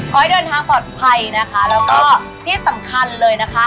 ขอให้เดินทางปลอดภัยนะคะแล้วก็ที่สำคัญเลยนะคะ